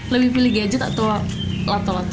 lebih pilih gadget atau lato lato